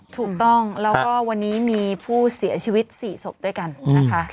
ถูกต้องแล้วก็วันนี้มีผู้เสียชีวิต๔ศพด้วยกันนะคะ